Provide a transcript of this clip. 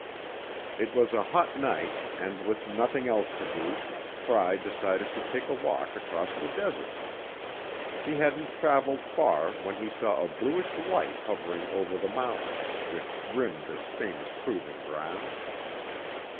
It was a hot night, and with nothing else to do, Fry decided to take a walk across the desert. He hadn't traveled far when he saw a bluish light hovering over the mountains which rim this famous proving ground.